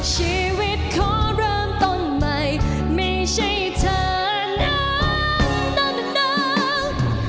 ชีวิตขอเริ่มตอนใหม่ไม่ใช่เธอนั้นนั้น